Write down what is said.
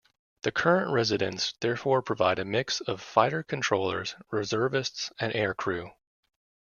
The current residents therefore provide a mix of fighter controllers, reservists and aircrew.